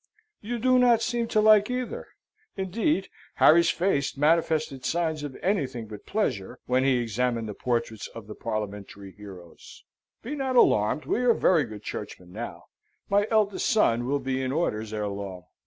You do not seem to like either?" Indeed, Harry's face manifested signs of anything but pleasure whilst he examined the portraits of the Parliamentary heroes. "Be not alarmed, we are very good Churchmen now. My eldest son will be in orders ere long.